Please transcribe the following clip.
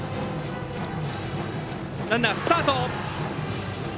ランナー、スタート。